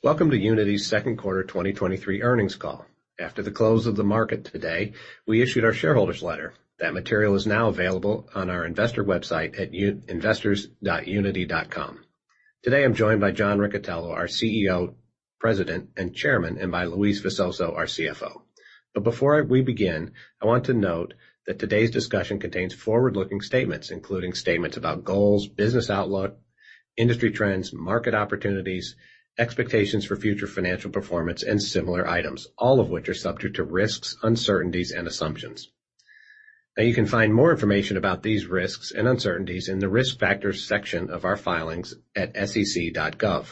Welcome to Unity's second quarter 2023 earnings call. After the close of the market today, we issued our shareholders letter. That material is now available on our investor website at investors.unity.com. Today, I'm joined by John Riccitiello, our CEO, President, and Chairman, and by Luis Visoso, our CFO. Before we begin, I want to note that today's discussion contains forward-looking statements, including statements about goals, business outlook, industry trends, market opportunities, expectations for future financial performance, and similar items, all of which are subject to risks, uncertainties, and assumptions. You can find more information about these risks and uncertainties in the Risk Factors section of our filings at sec.gov.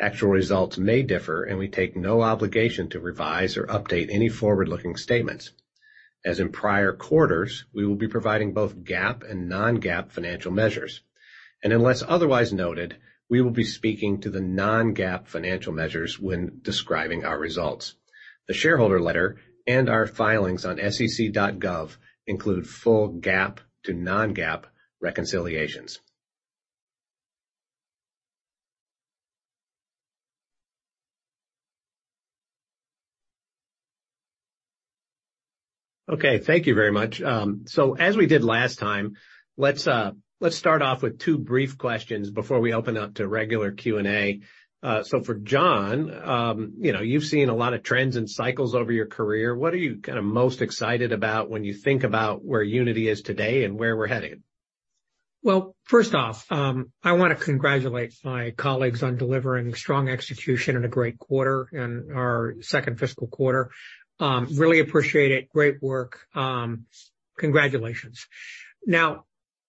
Actual results may differ, and we take no obligation to revise or update any forward-looking statements. As in prior quarters, we will be providing both GAAP and non-GAAP financial measures. Unless otherwise noted, we will be speaking to the non-GAAP financial measures when describing our results. The shareholder letter and our filings on sec.gov include full GAAP to non-GAAP reconciliations. Okay, thank you very much. As we did last time, let's start off with two brief questions before we open up to regular Q&A. For John, you know, you've seen a lot of trends and cycles over your career. What are you kind of most excited about when you think about where Unity is today and where we're headed? Well, first off, I want to congratulate my colleagues on delivering strong execution and a great quarter in our second fiscal quarter. Really appreciate it. Great work. Congratulations!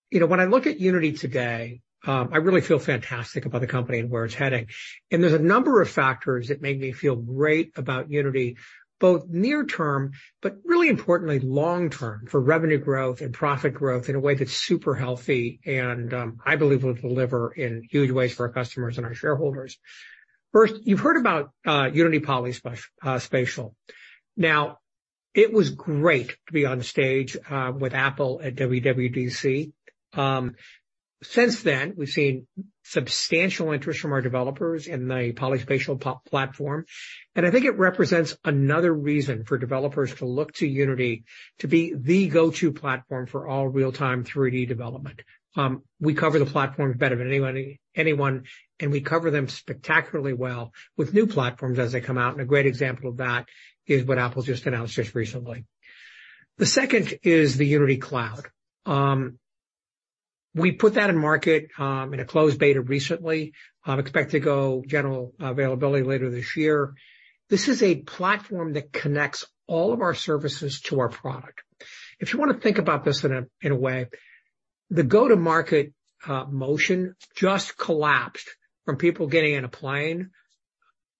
You know, when I look at Unity today, I really feel fantastic about the company and where it's heading, and there's a number of factors that make me feel great about Unity, both near term, but really importantly, long-term, for revenue growth and profit growth in a way that's super healthy and, I believe will deliver in huge ways for our customers and our shareholders. First, you've heard about Unity PolySpatial. It was great to be on stage with Apple at WWDC. Since then, we've seen substantial interest from our developers in the PolySpatial Platform, and I think it represents another reason for developers to look to Unity to be the go-to platform for all real-time 3D development. We cover the platforms better than anybody, anyone, and we cover them spectacularly well with new platforms as they come out, and a great example of that is what Apple just announced just recently. The second is the Unity Cloud. We put that in market, in a closed beta recently. Expect to go general availability later this year. This is a platform that connects all of our services to our product. If you want to think about this in a, in a way, the go-to-market motion just collapsed from people getting in a plane,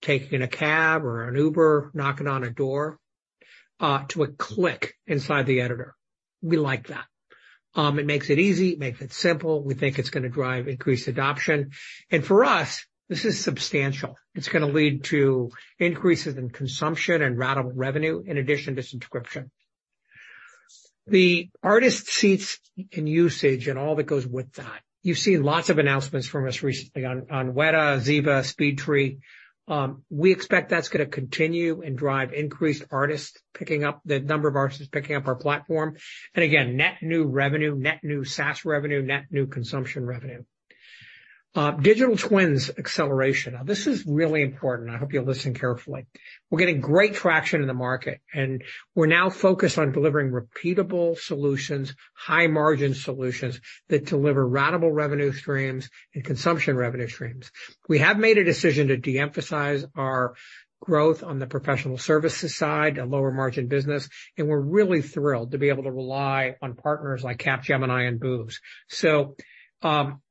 taking a cab or an Uber, knocking on a door, to a click inside the editor. We like that. It makes it easy, makes it simple. We think it's going to drive increased adoption, and for us, this is substantial. It's going to lead to increases in consumption and ratable revenue in addition to subscription. The artist seats and usage and all that goes with that. You've seen lots of announcements from us recently on Wētā, Ziva, SpeedTree. We expect that's going to continue and drive increased artists, picking up the number of artists picking up our platform. Again, net new revenue, net new SaaS revenue, net new consumption revenue. Digital twins acceleration. Now, this is really important. I hope you'll listen carefully. We're getting great traction in the market, and we're now focused on delivering repeatable solutions, high-margin solutions that deliver ratable revenue streams and consumption revenue streams. We have made a decision to de-emphasize our growth on the professional services side, a lower-margin business, and we're really thrilled to be able to rely on partners like Capgemini and Booz.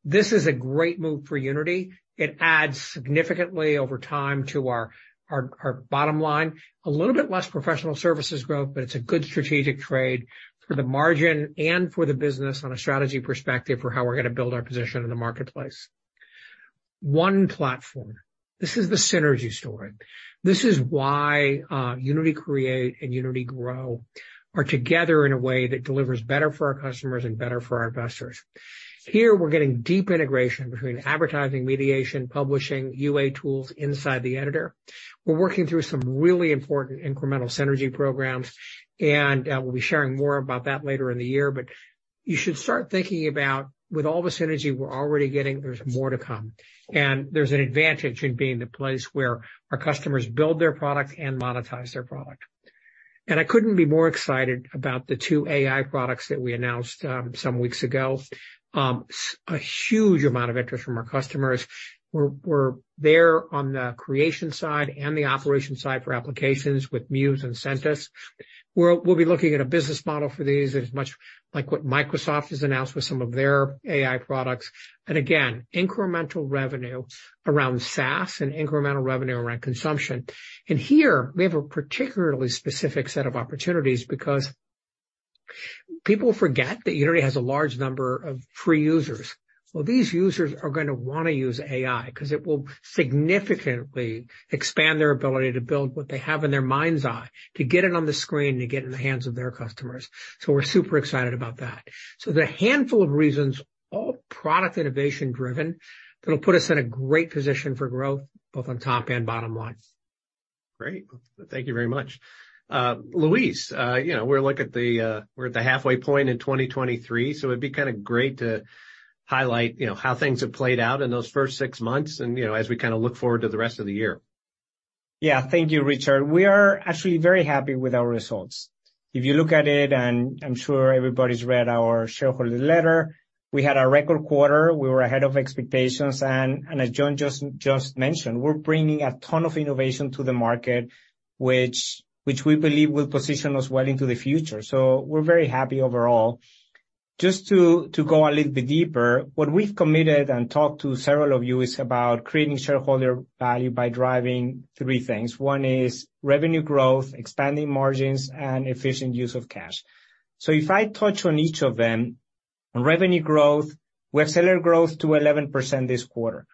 This is a great move for Unity. It adds significantly over time to our, our, our bottom line. A little bit less professional services growth, but it's a good strategic trade for the margin and for the business on a strategy perspective for how we're going to build our position in the marketplace. One platform, this is the synergy story. This is why Unity Create and Unity Grow are together in a way that delivers better for our customers and better for our investors. Here, we're getting deep integration between advertising, mediation, publishing, UA tools inside the editor. We're working through some really important incremental synergy programs, and we'll be sharing more about that later in the year. You should start thinking about with all the synergy we're already getting, there's more to come, and there's an advantage in being the place where our customers build their product and monetize their product. I couldn't be more excited about the two AI products that we announced some weeks ago. A huge amount of interest from our customers, we're there on the creation side and the operation side for applications with Muse and Sentis. We'll be looking at a business model for these as much like what Microsoft has announced with some of their AI products. Again, incremental revenue around SaaS and incremental revenue around consumption. Here we have a particularly specific set of opportunities because people forget that Unity has a large number of free users. Well, these users are going to want to use AI, because it will significantly expand their ability to build what they have in their mind's eye, to get it on the screen, to get it in the hands of their customers. We're super excited about that. The handful of reasons, all product innovation driven, that'll put us in a great position for growth, both on top and bottom line. Great. Thank you very much. Luis, you know, we're at the halfway point in 2023, so it'd be kind of great to highlight, you know, how things have played out in those first six months and, you know, as we kind of look forward to the rest of the year. Yeah. Thank you, Richard. We are actually very happy with our results. If you look at it, I'm sure everybody's read our shareholder letter, we had a record quarter. We were ahead of expectations, as John just mentioned, we're bringing a ton of innovation to the market, which we believe will position us well into the future. We're very happy overall. Just to go a little bit deeper, what we've committed and talked to several of you is about creating shareholder value by driving three things. One is revenue growth, expanding margins, and efficient use of cash. If I touch on each of them, on revenue growth, we accelerated growth to 11% this quarter,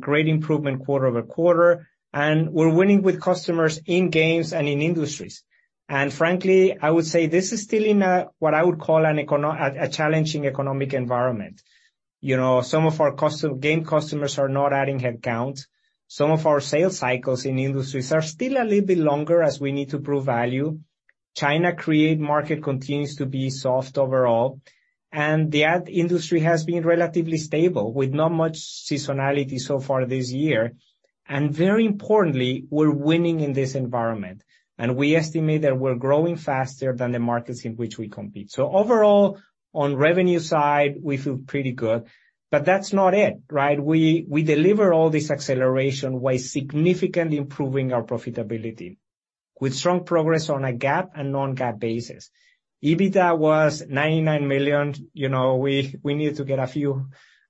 great improvement quarter-over-quarter, we're winning with customers in games and in industries. Frankly, I would say this is still in what I would call a challenging economic environment. You know, some of our game customers are not adding headcount. Some of our sales cycles in industries are still a little bit longer as we need to prove value. China Create market continues to be soft overall, and the ad industry has been relatively stable, with not much seasonality so far this year. Very importantly, we're winning in this environment, and we estimate that we're growing faster than the markets in which we compete. Overall, on revenue side, we feel pretty good, but that's not it, right? We deliver all this acceleration while significantly improving our profitability, with strong progress on a GAAP and non-GAAP basis. EBITDA was $99 million. You know, we needed to get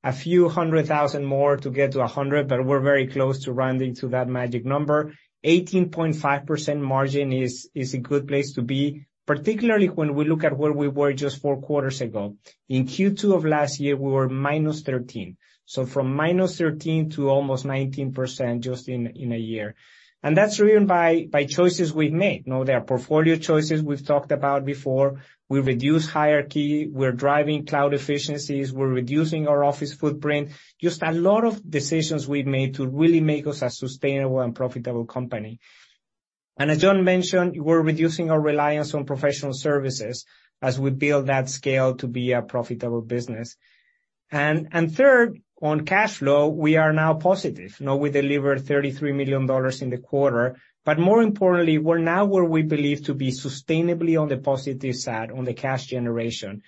a few hundred thousand more to get to 100, but we're very close to rounding to that magic number. 18.5% margin is a good place to be, particularly when we look at where we were just four quarters ago. In Q2 of last year, we were -13%, so from -13% to almost 19% just in a year. That's driven by choices we've made. You know, there are portfolio choices we've talked about before. We've reduced hierarchy, we're driving cloud efficiencies, we're reducing our office footprint, just a lot of decisions we've made to really make us a sustainable and profitable company. As John mentioned, we're reducing our reliance on professional services as we build that scale to be a profitable business. Third, on cash flow, we are now positive. You know, we delivered $33 million in the quarter, but more importantly, we're now where we believe to be sustainably on the positive side on the cash generation.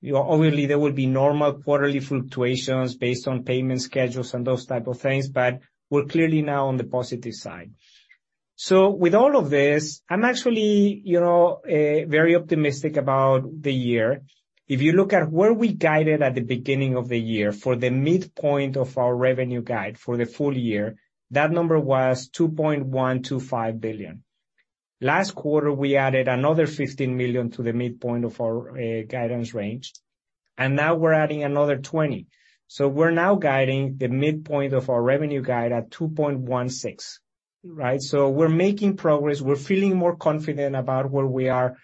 You know, obviously, there will be normal quarterly fluctuations based on payment schedules and those type of things, but we're clearly now on the positive side. With all of this, I'm actually, you know, very optimistic about the year. If you look at where we guided at the beginning of the year for the midpoint of our revenue guide for the full year, that number was $2.125 billion. Last quarter, we added another $15 million to the midpoint of our guidance range, and now we're adding another $20 million. We're now guiding the midpoint of our revenue guide at $2.16 billion, right? We're making progress. We're feeling more confident about where we are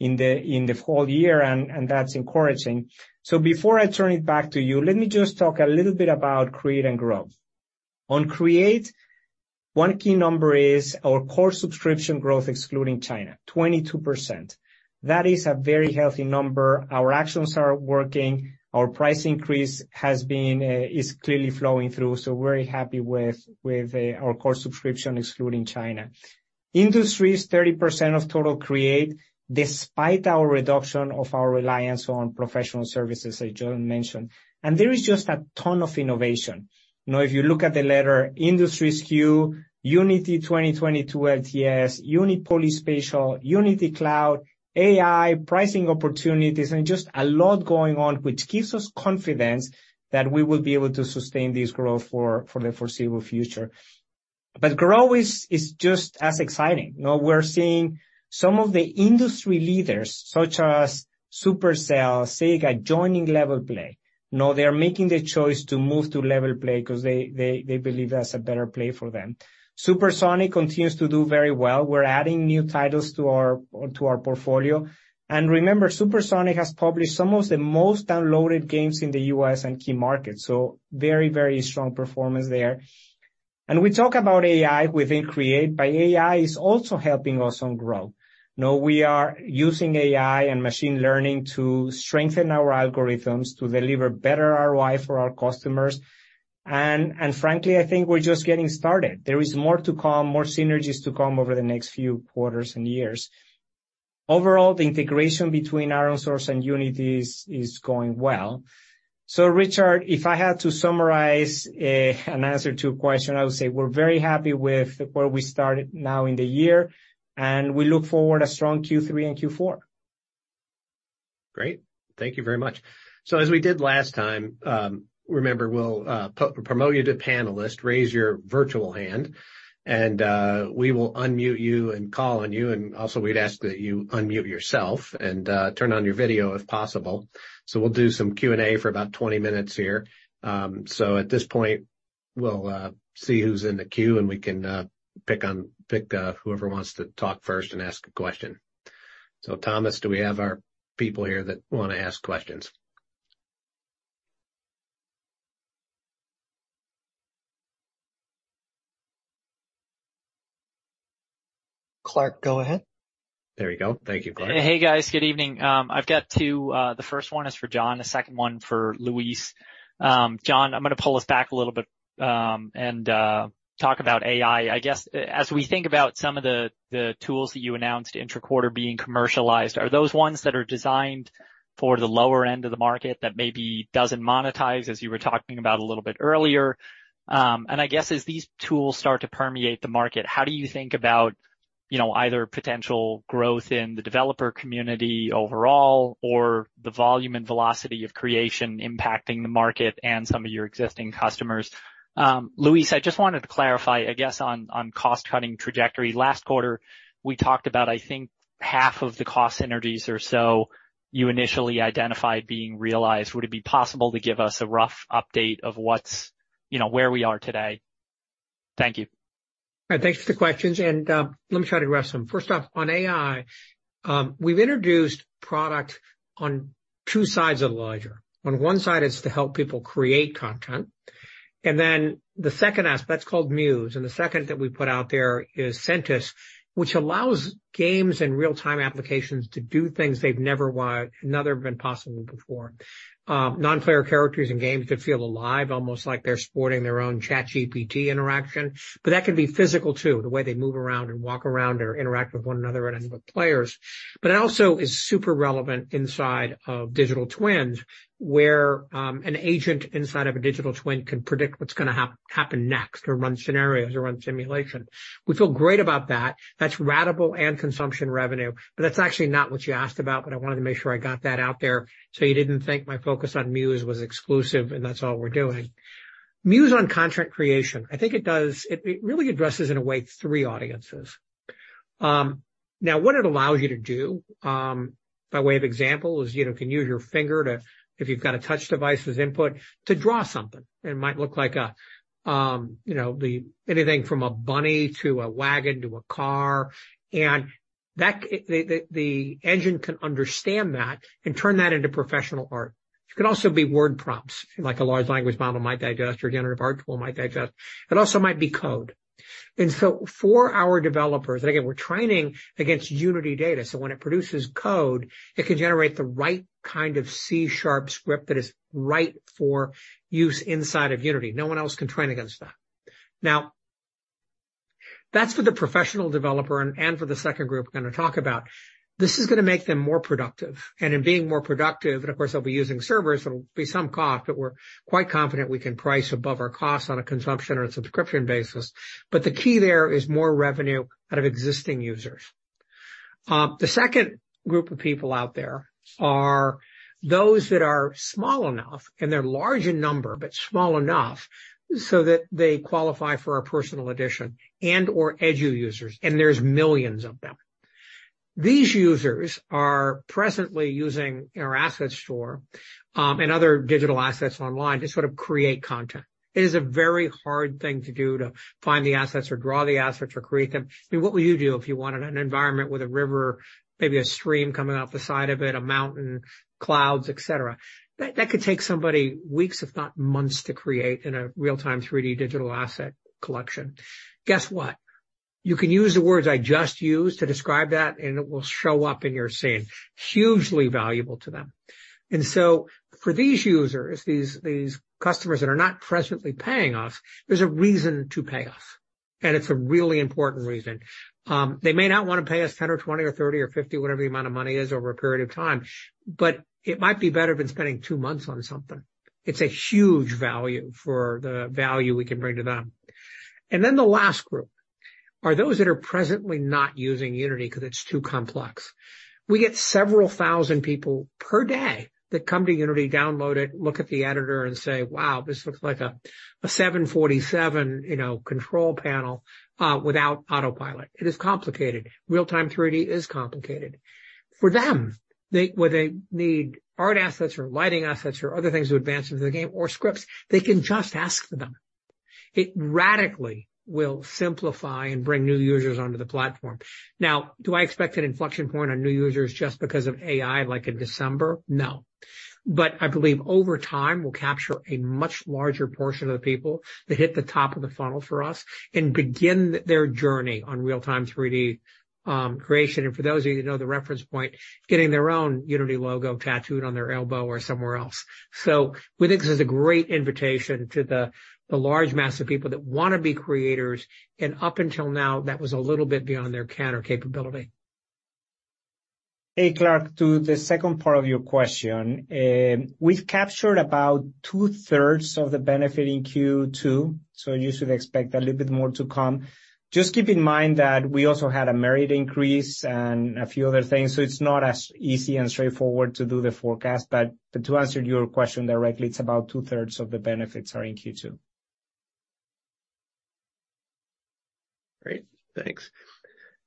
in the whole year, and that's encouraging. Before I turn it back to you, let me just talk a little bit about Create and Grow. On Create, one key number is our core subscription growth, excluding China, 22%. That is a very healthy number. Our actions are working. Our price increase has been, is clearly flowing through, so we're very happy with our core subscription, excluding China. Industries, 30% of total Create, despite our reduction of our reliance on professional services, as John mentioned, and there is just a ton of innovation. You know, if you look at the letter, industries SKU, Unity 2022 LTS, Unity PolySpatial, Unity Cloud, AI, pricing opportunities, and just a lot going on, which gives us confidence that we will be able to sustain this growth for, for the foreseeable future. Grow is, is just as exciting. You know, we're seeing some of the industry leaders, such as Supercell, Sega, joining LevelPlay. Now they are making the choice to move to LevelPlay because they, they, they believe that's a better play for them. Supersonic continues to do very well. We're adding new titles to our, to our portfolio. Remember, Supersonic has published some of the most downloaded games in the U.S. and key markets, so very, very strong performance there. We talk about AI within Create, but AI is also helping us on Grow. You know, we are using AI and machine learning to strengthen our algorithms, to deliver better ROI for our customers. Frankly, I think we're just getting started. There is more to come, more synergies to come over the next few quarters and years. Overall, the integration between ironSource and Unity is going well. Richard, if I had to summarize an answer to a question, I would say we're very happy with where we started now in the year, and we look forward to a strong Q3 and Q4. Great. Thank you very much. As we did last time, remember, we'll promote you to panelist, raise your virtual hand, and we will unmute you and call on you. Also, we'd ask that you unmute yourself and turn on your video, if possible. We'll do some Q&A for about 20 minutes here. At this point, we'll see who's in the queue, and we can pick on whoever wants to talk first and ask a question. Thomas, do we have our people here that wanna ask questions? Clark, go ahead. There we go. Thank you, Clark. Hey, guys. Good evening. I've got two, the first one is for John, the second one for Luis. John, I'm going to pull us back a little bit, and talk about AI. I guess, as we think about some of the, the tools that you announced intra-quarter being commercialized, are those ones that are designed for the lower end of the market that maybe doesn't monetize, as you were talking about a little bit earlier? I guess, as these tools start to permeate the market, how do you think about, you know, either potential growth in the developer community overall, or the volume and velocity of creation impacting the market and some of your existing customers? Luis, I just wanted to clarify, I guess, on, on cost-cutting trajectory. Last quarter, we talked about, I think, half of the cost synergies or so you initially identified being realized. Would it be possible to give us a rough update of what's, you know, where we are today? Thank you. All right, thanks for the questions, and, let me try to address them. First off, on AI, we've introduced product on two sides of the ledger. On one side, it's to help people create content, and then the second aspect, that's called Muse. The second that we put out there is Sentis, which allows games and real-time applications to do things they've never wanted, never been possible before. Non-player characters in games could feel alive, almost like they're supporting their own ChatGPT interaction, but that can be physical, too. The way they move around and walk around or interact with one another and with players. It also is super relevant inside of digital twins, where, an agent inside of a digital twin can predict what's going to happen next or run scenarios or run simulation. We feel great about that. That's ratable and consumption revenue, but that's actually not what you asked about, but I wanted to make sure I got that out there so you didn't think my focus on Muse was exclusive, and that's all we're doing. Muse on content creation. I think it does. It really addresses, in a way, three audiences. Now, what it allows you to do, by way of example, is, you know, you can use your finger to, if you've got a touch device as input, to draw something. It might look like, you know, anything from a bunny to a wagon to a car, and the engine can understand that and turn that into professional art. It could also be word prompts, like a large language model might digest or generative art tool might digest. It also might be code. For our developers, again, we're training against Unity data, so when it produces code, it can generate the right kind of C# script that is right for use inside of Unity. No one else can train against that. Now, that's for the professional developer and for the second group we're going to talk about. This is going to make them more productive. In being more productive, and of course, they'll be using servers, it'll be some cost, but we're quite confident we can price above our costs on a consumption or a subscription basis. The key there is more revenue out of existing users. The second group of people out there are those that are small enough, and they're large in number, but small enough so that they qualify for our personal edition and/or edu users, and there's millions of them. These users are presently using our Asset Store, and other digital assets online to sort of create content. It is a very hard thing to do, to find the assets or draw the assets or create them. I mean, what would you do if you wanted an environment with a river, maybe a stream coming off the side of it, a mountain, clouds, et cetera? That, that could take somebody weeks, if not months, to create in a real-time, 3D digital asset collection. Guess what? You can use the words I just used to describe that, and it will show up in your scene. Hugely valuable to them. So for these users, these, these customers that are not presently paying us, there's a reason to pay us, and it's a really important reason. They may not want to pay us $10 or $20 or $30 or $50, whatever the amount of money is over a period of time, but it might be better than spending 2 months on something. It's a huge value for the value we can bring to them. The last group are those that are presently not using Unity because it's too complex. We get several thousand people per day that come to Unity, download it, look at the editor and say: "Wow, this looks like a, a 747, you know, control panel without autopilot." It is complicated. Real-time 3D is complicated. For them, where they need art assets or lighting assets or other things to advance into the game or scripts, they can just ask for them. It radically will simplify and bring new users onto the platform. Do I expect an inflection point on new users just because of AI, like in December? No. I believe over time, we'll capture a much larger portion of the people that hit the top of the funnel for us and begin their journey on real-time 3D creation. For those of you who know the reference point, getting their own Unity logo tattooed on their elbow or somewhere else. We think this is a great invitation to the, the large mass of people that want to be creators, and up until now, that was a little bit beyond their count or capability. Hey, Clark, to the second part of your question, we've captured about two-thirds of the benefit in Q2, you should expect a little bit more to come. Just keep in mind that we also had a merit increase and a few other things, so it's not as easy and straightforward to do the forecast. To answer your question directly, it's about two-thirds of the benefits are in Q2. Great. Thanks.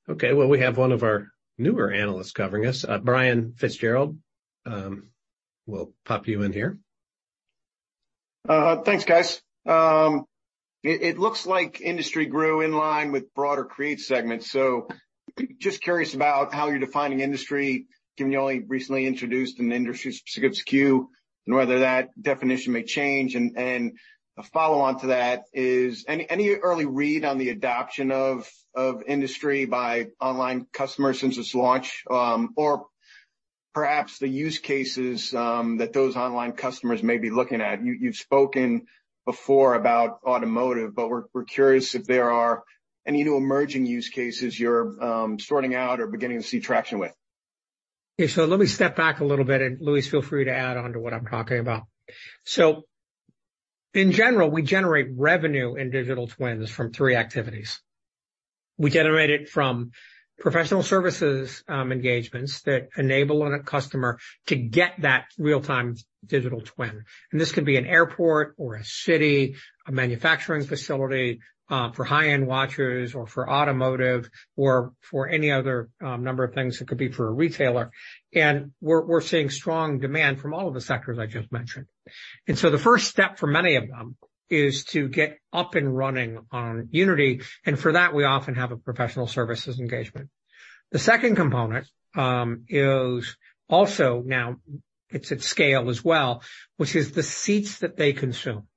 Okay, well, we have one of our newer analysts covering us. Brian Fitzgerald, we'll pop you in here. Thanks, guys. It looks like industry grew in line with broader create segments. Just curious about how you're defining industry. Can you only recently introduced an industry specific SKU, and whether that definition may change? A follow-on to that is any early read on the adoption of industry by online customers since its launch, or perhaps the use cases that those online customers may be looking at? You've spoken before about automotive, but we're curious if there are any new emerging use cases you're sorting out or beginning to see traction with. Okay. Let me step back a little bit, and, Luis, feel free to add on to what I'm talking about. In general, we generate revenue in digital twins from three activities. We generate it from professional services, engagements that enable a customer to get that real-time digital twin. This could be an airport or a city, a manufacturing facility, for high-end watches, or for automotive, or for any other number of things. It could be for a retailer. We're, we're seeing strong demand from all of the sectors I just mentioned. The first step for many of them is to get up and running on Unity, and for that, we often have a professional services engagement. The second component, is also now it's at scale as well, which is the seats that they consume.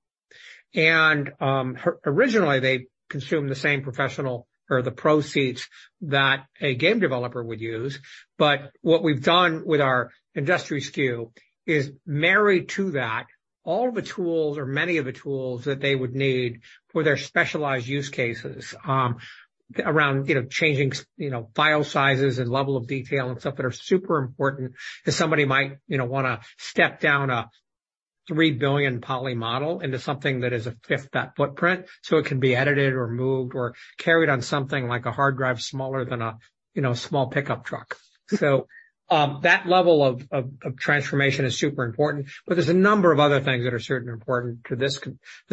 Originally, they consumed the same professional or the proceeds that a game developer would use. What we've done with our industry SKU is married to that, all the tools or many of the tools that they would need for their specialized use cases, around, you know, changing, you know, file sizes and level of detail and stuff that are super important. Because somebody might, you know, wanna step down a 3 billion poly model into something that is a fifth that footprint, so it can be edited or moved or carried on something like a hard drive, smaller than a, you know, small pickup truck. That level of, of, of transformation is super important, but there's a number of other things that are certainly important to this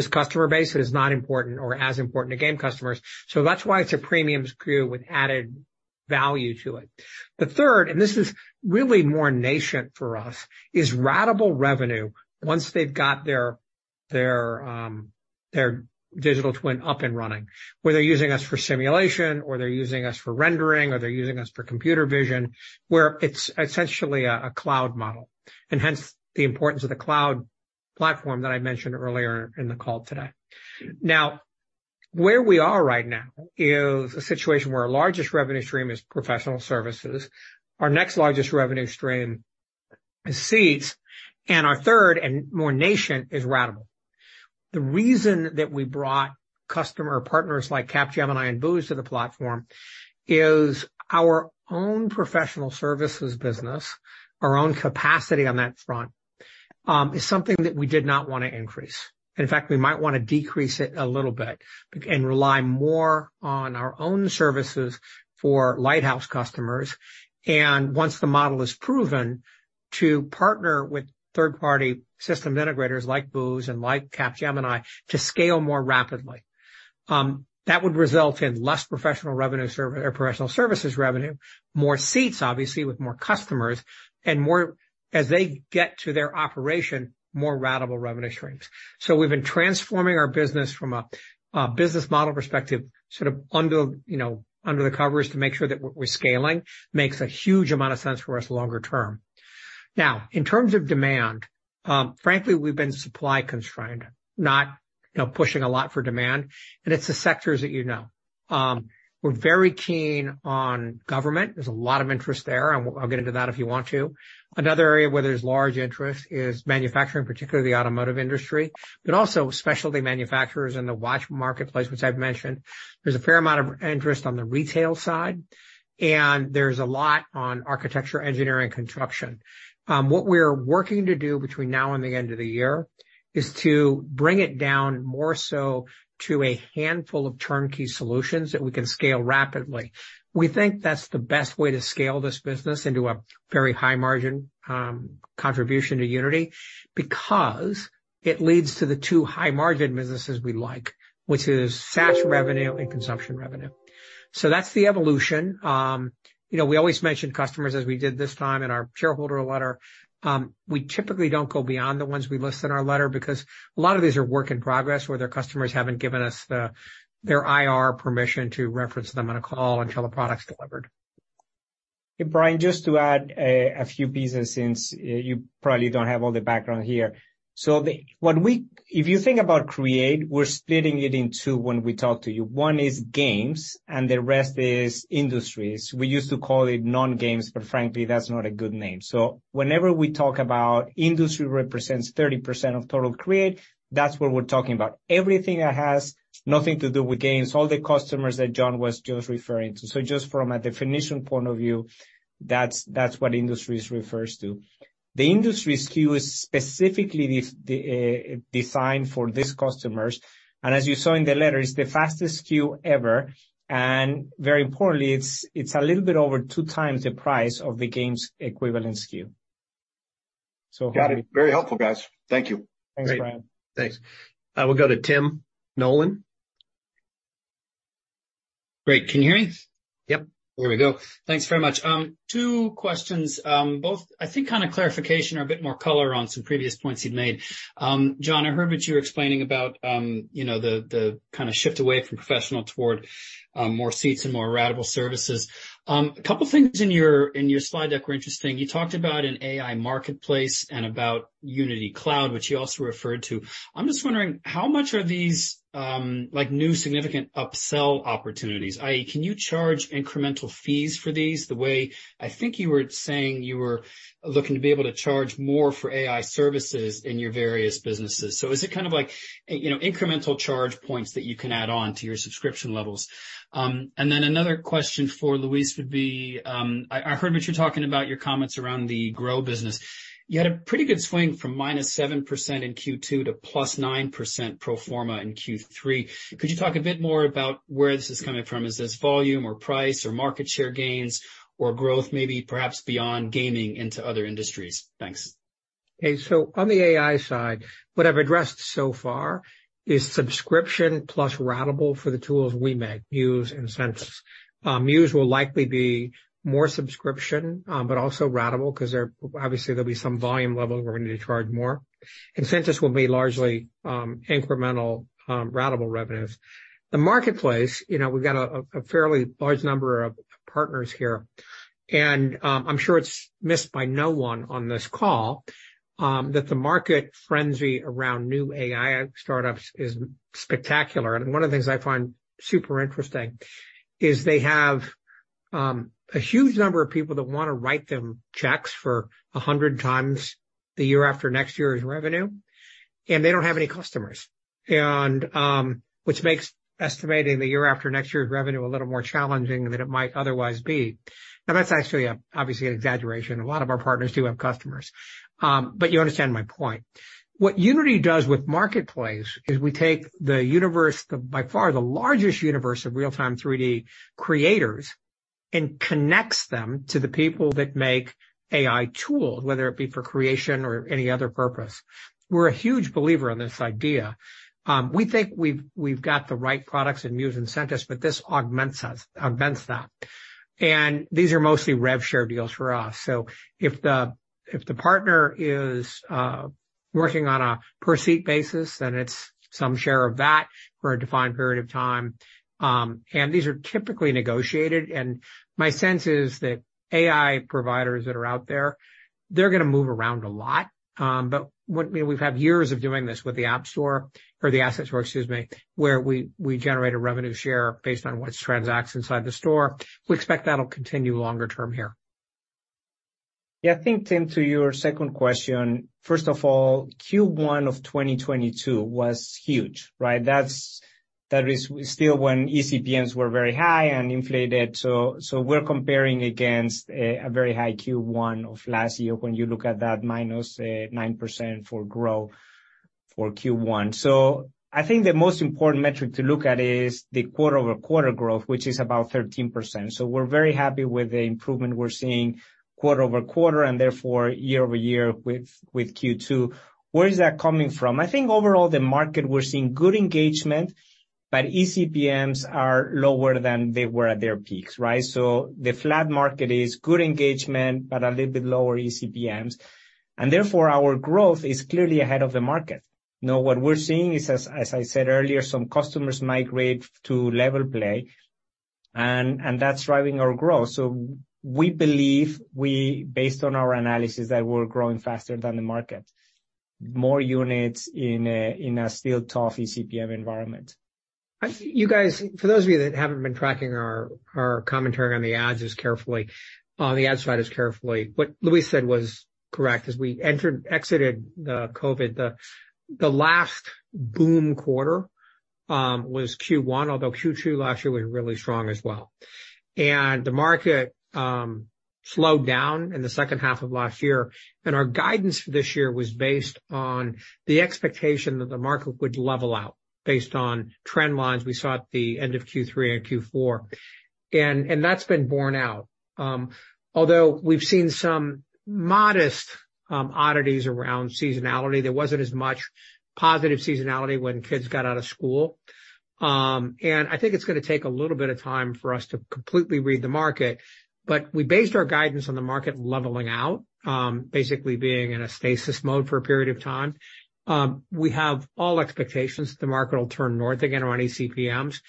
customer base, that is not important or as important to game customers. That's why it's a premium SKU with added value to it. The third, this is really more nascent for us, is ratable revenue once they've got their, their, their digital twin up and running, where they're using us for simulation, or they're using us for rendering, or they're using us for computer vision, where it's essentially a, a cloud model, hence the importance of the cloud platform that I mentioned earlier in the call today. Where we are right now is a situation where our largest revenue stream is professional services. Our next largest revenue stream is seats, and our third and more nascent, is ratable. The reason that we brought customer partners like Capgemini and Booz to the platform is our own professional services business, our own capacity on that front, is something that we did not want to increase. In fact, we might want to decrease it a little bit and rely more on our own services for lighthouse customers, and once the model is proven, to partner with third-party system integrators like Booz and like Capgemini to scale more rapidly. That would result in less professional revenue service or professional services revenue, more seats, obviously, with more customers and more as they get to their operation, more ratable revenue streams. We've been transforming our business from a, a business model perspective, sort of under, you know, under the covers to make sure that we're scaling, makes a huge amount of sense for us longer term. Now, in terms of demand, frankly, we've been supply constrained, not, you know, pushing a lot for demand. It's the sectors that you know. We're very keen on government. There's a lot of interest there, and I'll get into that if you want to. Another area where there's large interest is manufacturing, particularly the automotive industry, but also specialty manufacturers in the watch marketplace, which I've mentioned. There's a fair amount of interest on the retail side, there's a lot on architecture, engineering, and construction. What we're working to do between now and the end of the year is to bring it down more so to a handful of turnkey solutions that we can scale rapidly. We think that's the best way to scale this business into a very high margin, contribution to Unity, because it leads to the two high-margin businesses we like, which is SaaS revenue and consumption revenue. That's the evolution. You know, we always mention customers, as we did this time in our Shareholder Letter. We typically don't go beyond the ones we list in our letter because a lot of these are work in progress, where their customers haven't given us the, their IR permission to reference them on a call until the product's delivered. Hey, Brian, just to add a few pieces, since you probably don't have all the background here. If you think about Create, we're splitting it in two when we talk to you. One is games and the rest is Industry. We used to call it non-games, but frankly, that's not a good name. Whenever we talk about Industry represents 30% of total Create, that's what we're talking about. Everything that has nothing to do with games, all the customers that John was just referring to. Just from a definition point of view, that's what industries refers to. The industry SKU is specifically designed for these customers, and as you saw in the letter, it's the fastest SKU ever, and very importantly, it's a little bit over two times the price of the games equivalent SKU. Got it. Very helpful, guys. Thank you. Thanks, Brian. Thanks. I will go to Tim Nollen. Great. Can you hear me? Yep. There we go. Thanks very much. Two questions, both, I think, kind of clarification or a bit more color on some previous points you've made. John, I heard what you were explaining about, you know, the kind of shift away from professional toward more seats and more ratable services. A couple things in your slide deck were interesting. You talked about an AI Marketplace and about Unity Cloud, which you also referred to. I'm just wondering, how much are these, like, new significant upsell opportunities? i.e., can you charge incremental fees for these, the way I think you were saying you were looking to be able to charge more for AI services in your various businesses. Is it kind of like, you know, incremental charge points that you can add on to your subscription levels? Another question for Luis would be, I, I heard what you're talking about, your comments around the Grow business. You had a pretty good swing from -7% in Q2 to +9% pro forma in Q3. Could you talk a bit more about where this is coming from? Is this volume or price or market share gains or growth, maybe perhaps beyond gaming into other industries? Thanks. On the AI side, what I've addressed so far is subscription plus ratable for the tools we make, Muse and Sentis. Muse will likely be more subscription, but also ratable, 'cause there obviously there'll be some volume level where we need to charge more. Sentis will be largely incremental, ratable revenues. The Marketplace, you know, we've got a fairly large number of partners here, I'm sure it's missed by no one on this call, that the market frenzy around new AI startups is spectacular. One of the things I find super interesting is they have a huge number of people that want to write them checks for 100 times the year after next year's revenue, and they don't have any customers, and... which makes estimating the year after next year's revenue a little more challenging than it might otherwise be. Now, that's actually, obviously an exaggeration. A lot of our partners do have customers, but you understand my point. What Unity does with Marketplace is we take the universe, the by far the largest universe of real-time 3D creators, and connects them to the people that make AI tools, whether it be for creation or any other purpose. We're a huge believer in this idea. We think we've, we've got the right products in Muse and Sentis, but this augments us, augments that, and these are mostly rev share deals for us. If the, if the partner is working on a per-seat basis, then it's some share of that for a defined period of time. These are typically negotiated, and my sense is that AI providers that are out there, they're going to move around a lot. What, we've had years of doing this with the App Store or the Asset Store, excuse me, where we, we generate a revenue share based on what transacts inside the store. We expect that'll continue longer term here. Yeah, I think, Tim, to your second question, first of all, Q1 of 2022 was huge, right? That's, that is still when eCPMs were very high and inflated, so, so we're comparing against a, a very high Q1 of last year when you look at that -9% for growth for Q1. I think the most important metric to look at is the quarter-over-quarter growth, which is about 13%. We're very happy with the improvement we're seeing quarter over quarter and therefore year-over-year with, with Q2. Where is that coming from? I think overall, the market, we're seeing good engagement, but eCPMs are lower than they were at their peaks, right? The flat market is good engagement, but a little bit lower eCPMs, and therefore, our growth is clearly ahead of the market. Now, what we're seeing is as I said earlier, some customers migrate to LevelPlay, and, and that's driving our growth. So we believe we, based on our analysis, that we're growing faster than the market, more units in a, in a still tough eCPMs environment. You guys, for those of you that haven't been tracking our, our commentary on the ads as carefully, on the ad side as carefully, what Luis said was correct. As we entered, exited the COVID, the, the last boom quarter, was Q1, although Q2 last year was really strong as well. The market slowed down in the second half of last year, and our guidance for this year was based on the expectation that the market would level out based on trend lines we saw at the end of Q3 and Q4. That's been borne out. Although we've seen some modest oddities around seasonality, there wasn't as much positive seasonality when kids got out of school. I think it's going to take a little bit of time for us to completely read the market, but we based our guidance on the market leveling out, basically being in a stasis mode for a period of time. We have all expectations that the market will turn north again on eCPMs.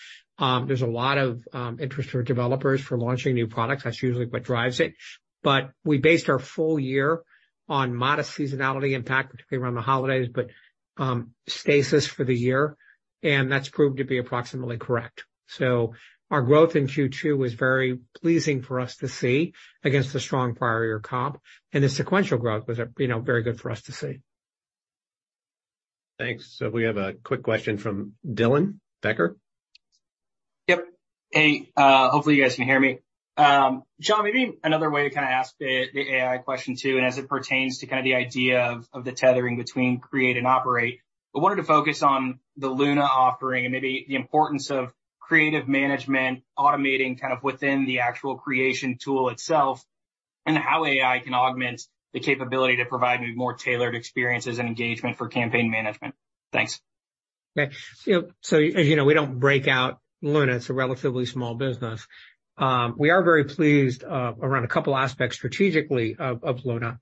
There's a lot of interest from developers for launching new products. That's usually what drives it. We based our full year on modest seasonality impact, particularly around the holidays, but stasis for the year, and that's proved to be approximately correct. Our growth in Q2 was very pleasing for us to see against the strong prior year comp, and the sequential growth was, you know, very good for us to see. Thanks. We have a quick question from Dylan Becker. Yep. Hey, hopefully, you guys can hear me. John, maybe another way to kind of ask the, the AI question, too, and as it pertains to kind of the idea of, of the tethering between Create and Operate, I wanted to focus on the Luna offering and maybe the importance of creative management automating kind of within the actual creation tool itself, and how AI can augment the capability to provide more tailored experiences and engagement for campaign management? Thanks. As you know, we don't break out Luna. It's a relatively small business. We are very pleased around a couple aspects strategically of Luna.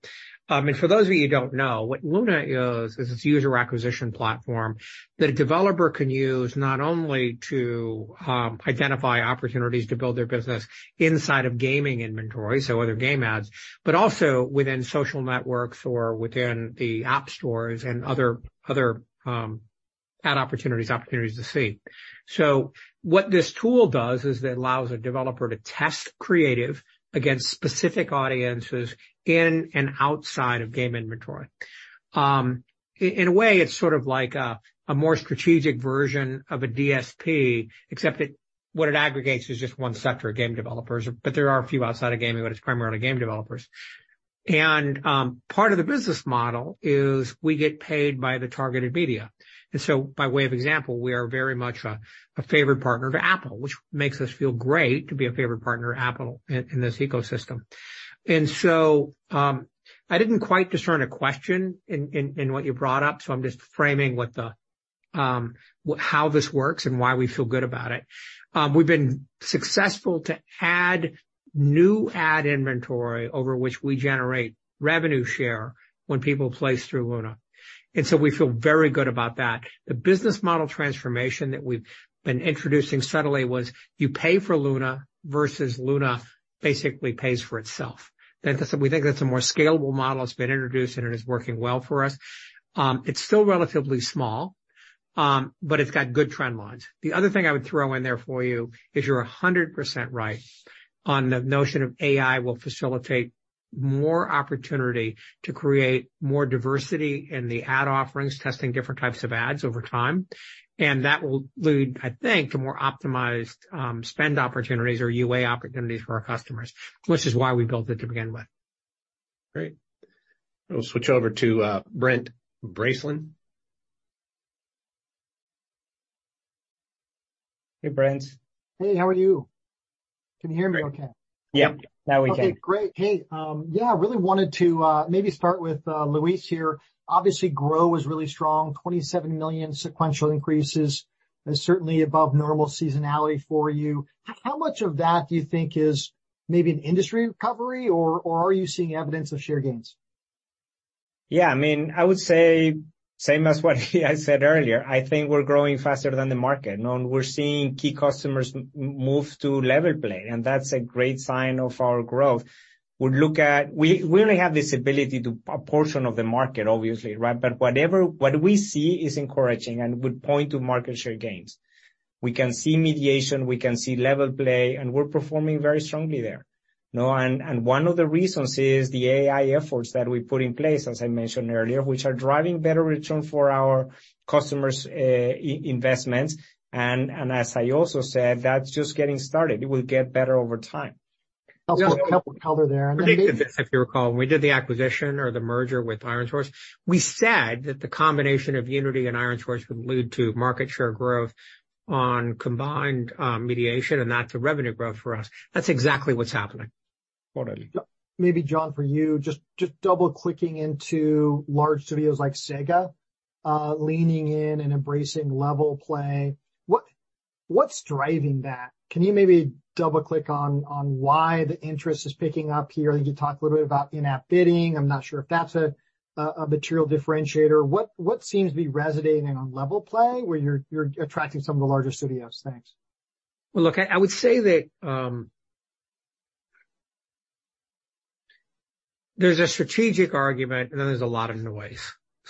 For those of you who don't know, what Luna is, is this user acquisition platform that a developer can use not only to identify opportunities to build their business inside of gaming inventory, so other game ads, but also within social networks or within the App Stores and other ad opportunities, opportunities to see. What this tool does is it allows a developer to test creative against specific audiences in and outside of game inventory. In, a way, it's sort of like a, a more strategic version of a DSP, except it-- what it aggregates is just one sector, game developers, but there are a few outside of gaming, but it's primarily game developers. Part of the business model is we get paid by the targeted media. By way of example, we are very much a, a favored partner of Apple, which makes us feel great to be a favored partner of Apple in, in this ecosystem. I didn't quite discern a question in, in, in what you brought up, so I'm just framing what the, what How this works and why we feel good about it. We've been successful to add new ad inventory over which we generate revenue share when people place through Luna, we feel very good about that. The business model transformation that we've been introducing subtly was, you pay for Luna versus Luna basically pays for itself. We think that's a more scalable model that's been introduced, and it is working well for us. It's still relatively small, but it's got good trend lines. The other thing I would throw in there for you is you're 100% right on the notion of AI will facilitate more opportunity to create more diversity in the ad offerings, testing different types of ads over time. That will lead, I think, to more optimized, spend opportunities or UA opportunities for our customers, which is why we built it to begin with. Great. We'll switch over to Brent Bracelin. Hey, Brent. Hey, how are you? Can you hear me okay? Yep, now we can. Okay, great. Hey, yeah, I really wanted to maybe start with Luis here. Obviously, Grow is really strong. $27 million sequential increases is certainly above normal seasonality for you. How much of that do you think is maybe an industry recovery, or, or are you seeing evidence of share gains? Yeah, I mean, I would say same as what I said earlier, I think we're growing faster than the market, we're seeing key customers move to LevelPlay, that's a great sign of our growth. We only have this ability to a portion of the market, obviously, right? What we see is encouraging and would point to market share gains. We can see Mediation, we can see LevelPlay, we're performing very strongly there, you know? One of the reasons is the AI efforts that we put in place, as I mentioned earlier, which are driving better return for our customers, investments. As I also said, that's just getting started. It will get better over time. Helpful color there. If you recall, when we did the acquisition or the merger with ironSource, we said that the combination of Unity and ironSource would lead to market share growth on combined, mediation, and that's a revenue growth for us. That's exactly what's happening. Totally. Yep. Maybe, John, for you, just, just double-clicking into large studios like Sega, leaning in and embracing LevelPlay. What, what's driving that? Can you maybe double-click on why the interest is picking up here? You talked a little bit about in-app bidding. I'm not sure if that's a, a material differentiator. What, what seems to be resonating on LevelPlay, where you're attracting some of the larger studios? Thanks. Well, look, I would say that there's a strategic argument, and then there's a lot of noise.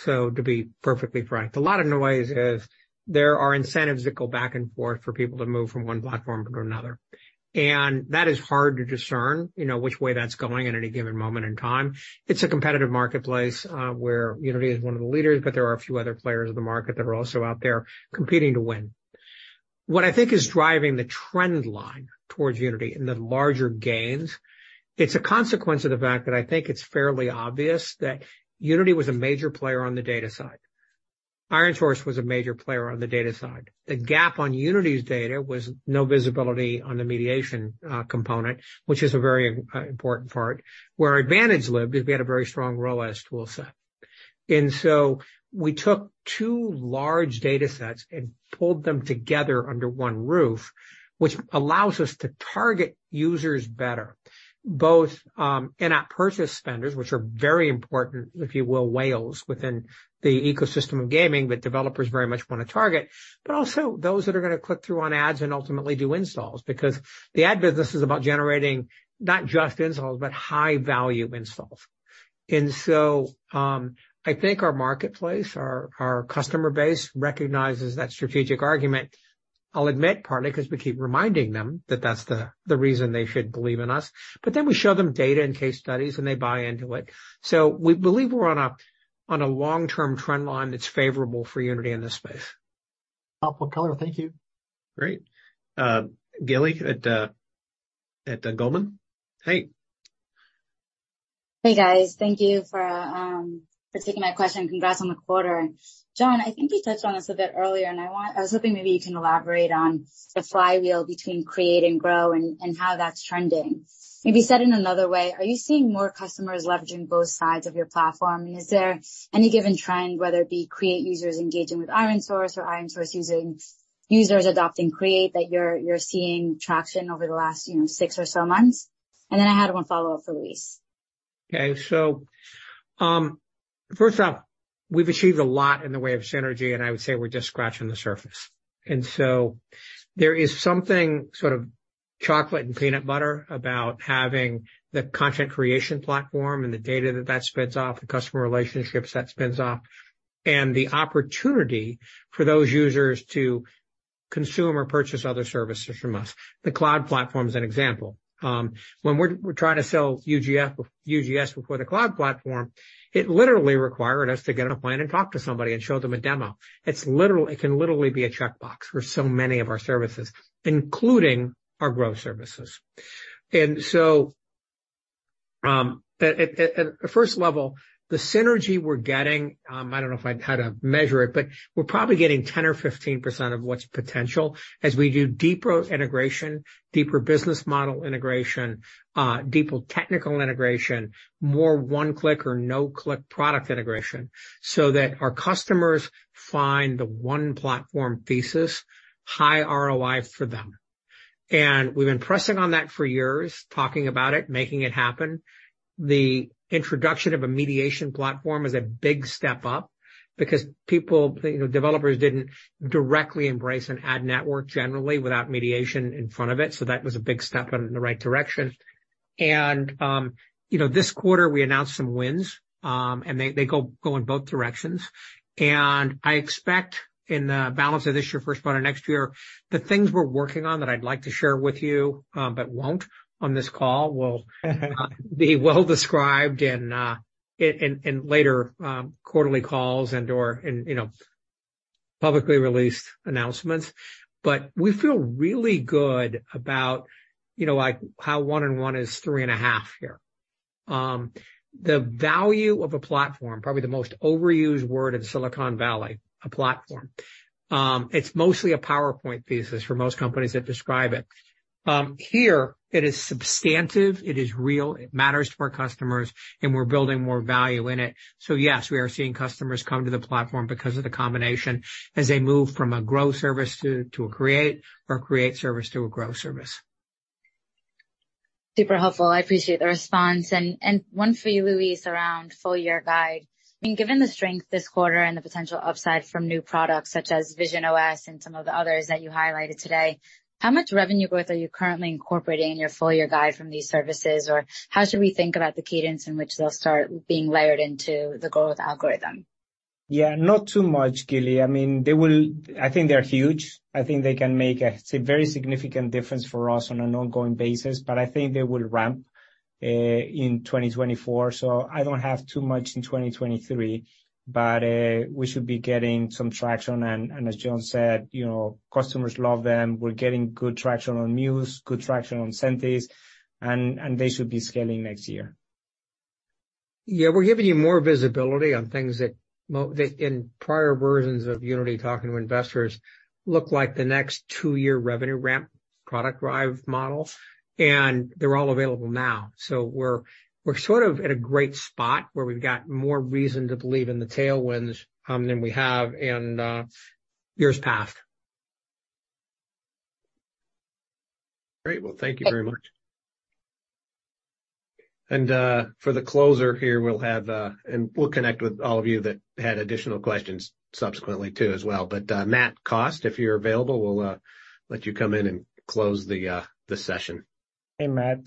To be perfectly frank, a lot of noise is there are incentives that go back and forth for people to move from one platform to another, and that is hard to discern, you know, which way that's going at any given moment in time. It's a competitive marketplace, where Unity is one of the leaders, but there are a few other players in the market that are also out there competing to win. What I think is driving the trend line towards Unity and the larger gains, it's a consequence of the fact that I think it's fairly obvious that Unity was a major player on the data side. ironSource was a major player on the data side. The gap on Unity's data was no visibility on the Mediation component, which is a very important part. Where our advantage lived is we had a very strong ROAS tool set. We took two large data sets and pulled them together under one roof, which allows us to target users better, both in-app purchase spenders, which are very important, if you will, whales within the ecosystem of gaming, but developers very much want to target, but also those that are going to click through on ads and ultimately do installs, because the ad business is about generating not just installs, but high-value installs. I think our Marketplace, our, our customer base recognizes that strategic argument. I'll admit, partly because we keep reminding them that that's the reason they should believe in us, but then we show them data and case studies, and they buy into it. We believe we're on a, on a long-term trend line that's favorable for Unity in this space. Helpful color. Thank you. Great. Gili, at, at, Goldman Sachs? Hey. Hey, guys. Thank you for, for taking my question, and congrats on the quarter. John, I think you touched on this a bit earlier, and I was hoping maybe you can elaborate on the flywheel between Create and Grow and, and how that's trending. Maybe said in another way, are you seeing more customers leveraging both sides of your platform? Is there any given trend, whether it be Create users engaging with ironSource or ironSource using users adopting Create, that you're seeing traction over the last, you know, six or so months? I had one follow-up for Luis. Okay. First off, we've achieved a lot in the way of synergy, and I would say we're just scratching the surface. There is something sort of chocolate and peanut butter about having the content creation platform and the data that that spins off, the customer relationships that spins off, and the opportunity for those users to consume or purchase other services from us. The Cloud platform is an example. When we're trying to sell UGS UGS before the Cloud platform, it literally required us to get on a plane and talk to somebody and show them a demo. It can literally be a checkbox for so many of our services, including our growth services. So, at the first level, the synergy we're getting, I don't know if I'd how to measure it, but we're probably getting 10% or 15% of what's potential as we do deeper integration, deeper business model integration, deeper technical integration, more one-click or no-click product integration, so that our customers find the 1 platform thesis high ROI for them. We've been pressing on that for years, talking about it, making it happen. The introduction of a Mediation platform is a big step up because people, you know, developers didn't directly embrace an ad network generally without Mediation in front of it. That was a big step in the right direction. You know, this quarter, we announced some wins, and they, they go, go in both directions. I expect in the balance of this year, first quarter, next year, the things we're working on that I'd like to share with you, but won't on this call, will be well described in later quarterly calls and/or in, you know, publicly released announcements. We feel really good about, you know, like, how one and one is three and a half here. The value of a platform, probably the most overused word in Silicon Valley, a platform. It's mostly a PowerPoint thesis for most companies that describe it. Here it is substantive, it is real, it matters to our customers, and we're building more value in it. Yes, we are seeing customers come to the platform because of the combination as they move from a Growth service to a Create or Create service to a Grow service. Super helpful. I appreciate the response. One for you, Luis, around full-year guide. I mean, given the strength this quarter and the potential upside from new products such as visionOS and some of the others that you highlighted today, how much revenue growth are you currently incorporating in your full-year guide from these services? Or how should we think about the cadence in which they'll start being layered into the growth algorithm? Not too much, Gili. I mean, they will... I think they're huge. I think they can make a very significant difference for us on an ongoing basis, but I think they will ramp, in 2024, so I don't have too much in 2023. We should be getting some traction, and, and as John said, you know, customers love them. We're getting good traction on Muse, good traction on Sentis, and, and they should be scaling next year. We're giving you more visibility on things that that in prior versions of Unity, talking to investors, look like the next two-year revenue ramp, product drive model, and they're all available now. We're, we're sort of at a great spot where we've got more reason to believe in the tailwinds, than we have in years past. Great.Well, thank you very much. For the closer here, we'll have, and we'll connect with all of you that had additional questions subsequently, too, as well. Matt Cost, if you're available, we'll let you come in and close the session. Hey, Matt.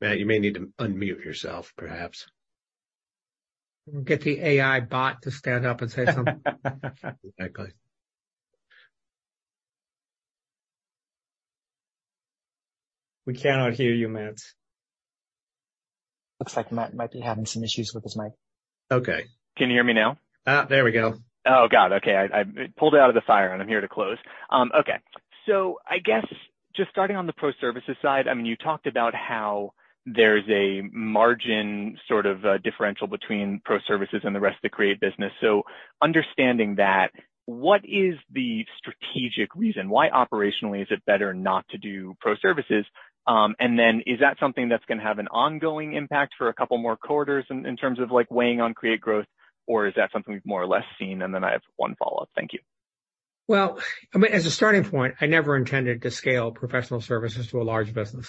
Matt, you may need to unmute yourself, perhaps. Get the AI bot to stand up and say something. Exactly. We cannot hear you, Matt. Looks like Matt might be having some issues with his mic. Okay. Can you hear me now? Ah, there we go. Oh, God, okay. I, I pulled it out of the fire, and I'm here to close. Okay. I guess just starting on the pro services side, I mean, you talked about how there's a margin sort of differential between pro services and the rest of the Create business. Understanding that, what is the strategic reason, why operationally is it better not to do pro services? Is that something that's going to have an ongoing impact for two more quarters in, in terms of like, weighing on Create growth, or is that something we've more or less seen? I have one follow-up. Thank you. Well, I mean, as a starting point, I never intended to scale professional services to a large business.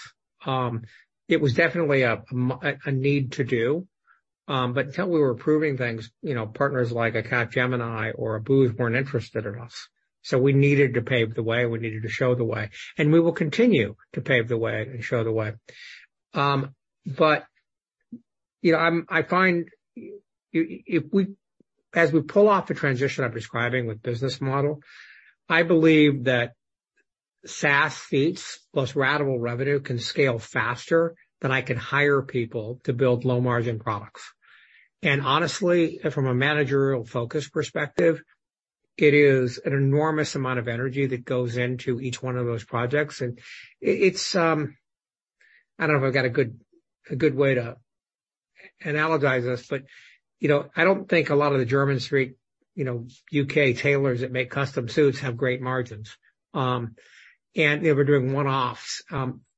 It was definitely a need to do, but until we were proving things, you know, partners like a Capgemini or a Booz weren't interested in us, so we needed to pave the way, we needed to show the way, and we will continue to pave the way and show the way. You know, I find if we as we pull off the transition I'm describing with business model, I believe that SaaS seats plus ratable revenue can scale faster than I can hire people to build low-margin products. Honestly, from a managerial focus perspective, it is an enormous amount of energy that goes into each one of those projects. It, it's, I don't know if I've got a good, a good way to analogize this, but, you know, I don't think a lot of the Jermyn Street, you know, U.K. tailors that make custom suits have great margins, and they were doing one-offs.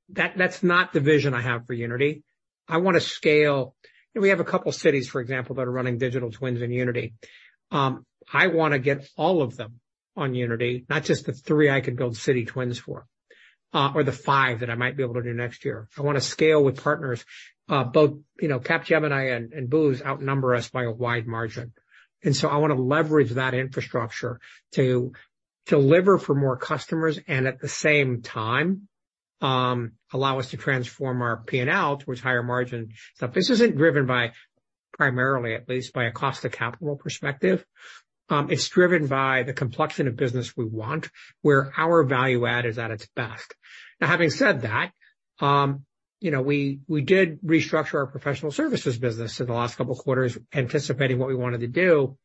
That, that's not the vision I have for Unity. I wanna scale. We have a couple of cities, for example, that are running digital twins in Unity. I wanna get all of them on Unity, not just the three I could build city twins for, or the five that I might be able to do next year. I wanna scale with partners, you know, Capgemini and Booz outnumber us by a wide margin, and so I wanna leverage that infrastructure to deliver for more customers and at the same time, allow us to transform our P&L towards higher margin. So this isn't driven by, primarily, at least, by a cost of capital perspective. It's driven by the complexion of business we want, where our value add is at its best. Now, having said that, you know, we, we did restructure our professional services business in the last couple of quarters, anticipating what we wanted to do.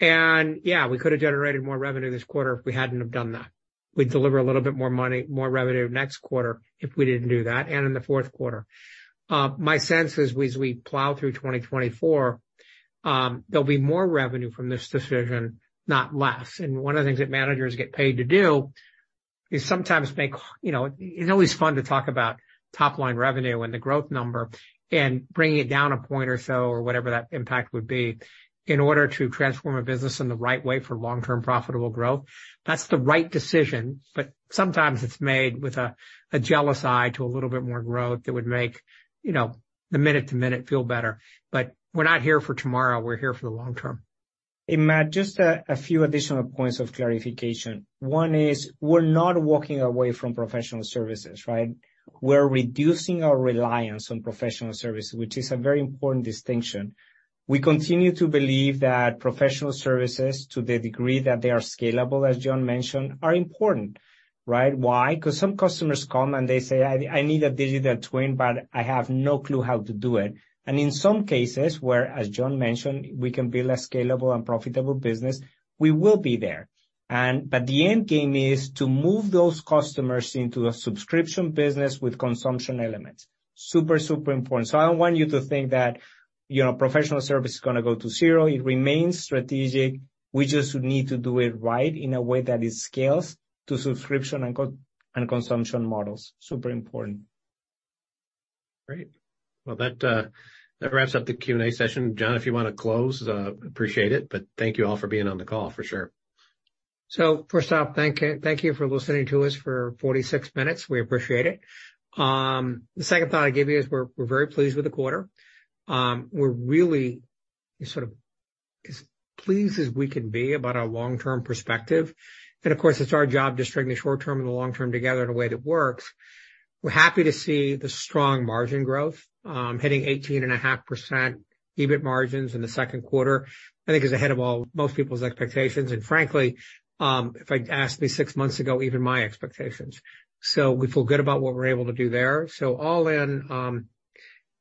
Yeah, we could have generated more revenue this quarter if we hadn't have done that. We'd deliver a little bit more money, more revenue next quarter if we didn't do that, and in the fourth quarter. My sense is, as we plow through 2024, there'll be more revenue from this decision, not less. One of the things that managers get paid to do is sometimes make, you know. It's always fun to talk about top-line revenue and the growth number and bringing it down a point or so, or whatever that impact would be, in order to transform a business in the right way for long-term profitable growth. That's the right decision, but sometimes it's made with a jealous eye to a little bit more growth that would make, you know, the minute-to-minute feel better. We're not here for tomorrow, we're here for the long term. Hey, Matt, just a, a few additional points of clarification. One is, we're not walking away from professional services, right? We're reducing our reliance on professional services, which is a very important distinction. We continue to believe that professional services, to the degree that they are scalable, as John mentioned, are important, right? Why? Because some customers come, and they say, "I, I need a digital twin, but I have no clue how to do it." In some cases where, as John mentioned, we can build a scalable and profitable business, we will be there. But the end game is to move those customers into a subscription business with consumption elements. Super, super important. I don't want you to think that, you know, professional service is gonna go to zero. It remains strategic. We just need to do it right in a way that it scales to subscription and co- and consumption models. Super important. Great! Well, that, that wraps up the Q&A session. John, if you wanna close, appreciate it, but thank you all for being on the call for sure. First off, thank you. Thank you for listening to us for 46 minutes. We appreciate it. The second thought I'd give you is we're, we're very pleased with the quarter. We're really sort of as pleased as we can be about our long-term perspective. Of course, it's our job to string the short term and the long term together in a way that works. We're happy to see the strong margin growth, hitting 18.5% EBIT margins in the second quarter, I think, is ahead of all, most people's expectations, and frankly, if I'd asked me 6 months ago, even my expectations. We feel good about what we're able to do there. All in,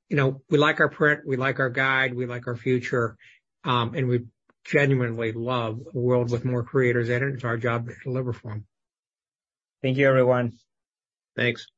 you know, we like our print, we like our guide, we like our future, and we genuinely love a world with more creators in it, it's our job to deliver for them. Thank you, everyone. Thanks.